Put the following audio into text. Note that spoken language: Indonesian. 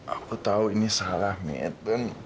aku tahu ini salah met